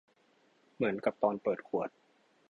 เหมือนกับตอนเปิดขวด